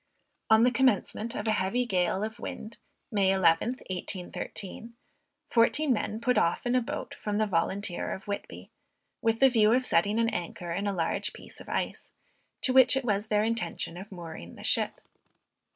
On the commencement of a heavy gale of wind, May 11th, 1813, fourteen men put off in a boat from the Volunteer of Whitby, with the view of setting an anchor in a large piece of ice, to which it was their intention of mooring the ship.